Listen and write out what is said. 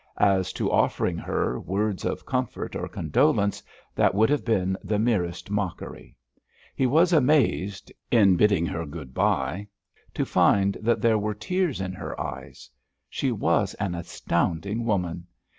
As to offering her words of comfort or condolence, that would have been the merest mockery. He was amazed, in bidding her good bye, to find that there were tears in her eyes. She was an astounding woman.